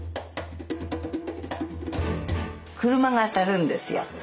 車が当たるんですよ。